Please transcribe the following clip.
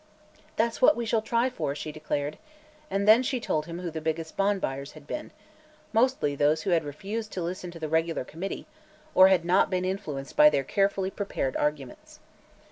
"That's what we shall try for," she declared, and then told him who the biggest bond buyers had been mostly those who had refused to listen to the regular Committee or had not been influenced by their carefully prepared arguments.